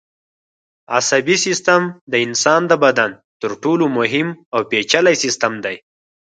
عصبي سیستم د انسان د بدن تر ټولو مهم او پېچلی سیستم دی.